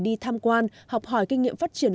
đi tham quan học hỏi kinh nghiệm phát triển